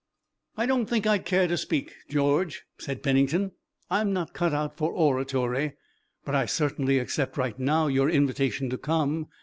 "I don't think I'd care to speak, George," said Pennington. "I'm not cut out for oratory, but I certainly accept right now your invitation to come.